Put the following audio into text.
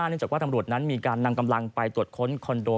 เนื่องจากว่าตำรวจนั้นมีการนำกำลังไปตรวจค้นคอนโด